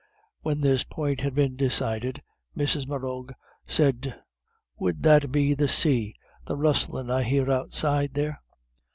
When this point had been decided, Mrs. Morrough said, "Would that be the say the rustlin' I hear outside there?"